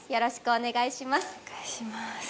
お願いします。